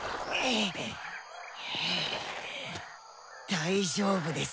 大丈夫です